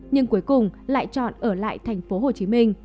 nhưng cuối cùng lại chọn ở lại tp hcm